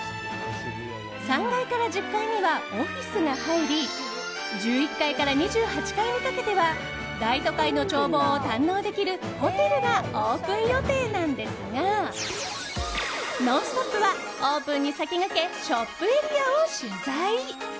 ３階から１０階にはオフィスが入り１１階から２８階にかけては大都会の眺望を堪能できるホテルがオープン予定なんですが「ノンストップ！」はオープンに先駆けショップエリアを取材！